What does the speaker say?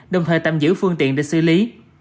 đồng thời tạm giữ phương tiện để xử lý